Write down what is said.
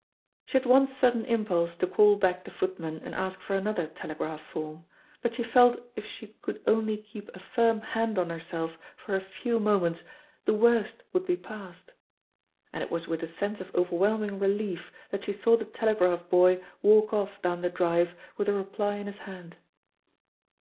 She had one sudden impulse to call back the footman and ask for another telegraph form; but she felt if she could only keep a firm hand on herself for a few moments, the worst would be passed; and it was with a sense of overwhelming relief that she saw the telegraph boy walk off down the drive with the reply in his hand.